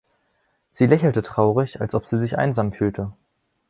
Sie lächelte traurig, als ob sie sich einsam fühle.